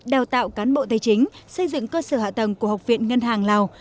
đào tạo cán bộ tài chính xây dựng cơ sở hạ tầng của học viện ngân hàng lào